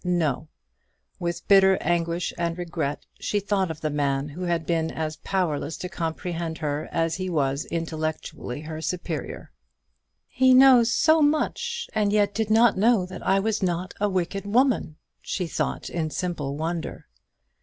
No; with bitter anguish and regret she thought of the man who had been as powerless to comprehend her as he was intellectually her superior. "He knows so much, and yet did not know that I was not a wicked woman," she thought, in simple wonder.